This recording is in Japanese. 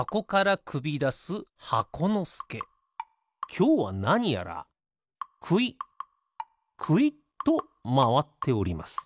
きょうはなにやらくいっくいっとまわっております。